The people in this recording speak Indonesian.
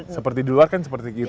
seperti di luar kan seperti kita